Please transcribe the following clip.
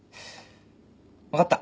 分かった